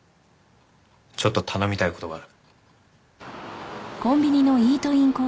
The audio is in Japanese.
ちょっと頼みたい事がある。